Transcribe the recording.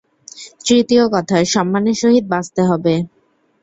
তৃতীয় কথা, সম্মানের সহিত বাঁচতে হবে।